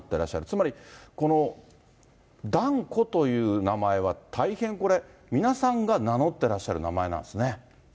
つまりこの團子という名前は、大変、皆さんが名乗ってらっしゃる名前なんですね。